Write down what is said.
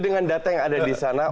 dengan data yang ada di sana